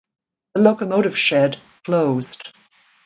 The locomotive shed closed.